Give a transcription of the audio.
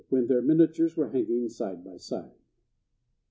(WHEN THEIR MINIATURES WERE HANGING SIDE BY SIDE.)